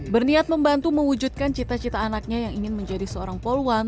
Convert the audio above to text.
berniat membantu mewujudkan cita cita anaknya yang ingin menjadi seorang poluan